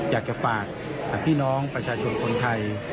อยากจะฝากพี่น้องประชาชนคนไทย